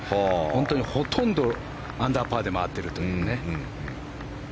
本当に、ほとんどアンダーパーで回っているというね。